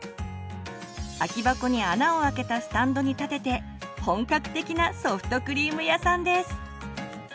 空き箱に穴をあけたスタンドに立てて本格的なソフトクリーム屋さんです！